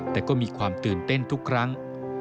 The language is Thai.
แต่ก็มีความตื่นเต้นทุกครั้ง